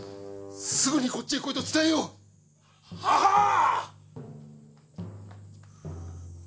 すぐにこっちへ来いと伝えよ。ははっ！